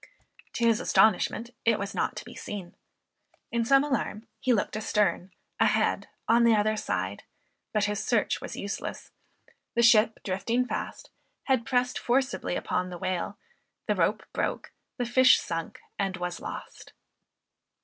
To his astonishment it was not to be seen. In some alarm he looked a stern, a head, on the other side, but his search was useless; the ship drifting fast, had pressed forcibly upon the whale, the rope broke, the fish sunk and was lost.